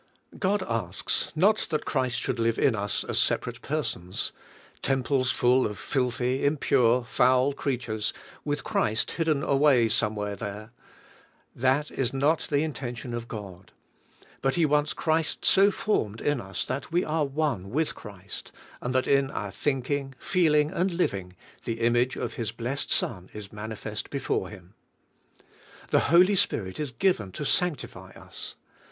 God asks not that Christ should live in us as separate persons; temples full of filthy, impure, foul creat ures, with Christ hidden away somewhere there, — that is not the intention of God, but He wants Christ so formed in us that we are one with Christ, and that in our thinking, feeling and liv ing, the image of His blessed Son is manifest be fore Him. The Holy Spirit is given to sanctify us.